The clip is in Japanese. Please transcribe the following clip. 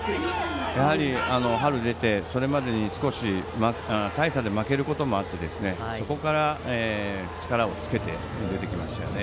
やはり春に出てそれまでに少し大差で負けることもあってそこから力をつけて出てきましたよね。